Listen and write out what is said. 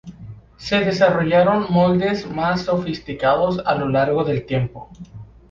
Se desarrollaron moldes más sofisticados a lo largo del tiempo.